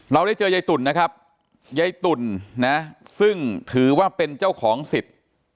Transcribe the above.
เราได้เจอยายตุ๋นนะครับยายตุ่นนะซึ่งถือว่าเป็นเจ้าของสิทธิ์